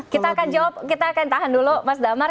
kita akan tahan dulu mas damar